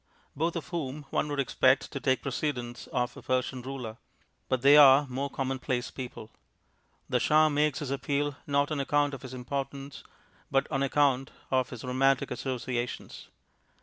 both of whom one would expect to take precedence of a Persian ruler. But they are more commonplace people. The Shah makes his appeal, not on account of his importance but on account of his romantic associations.